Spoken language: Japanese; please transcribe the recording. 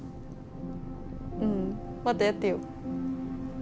うんまたやってよ。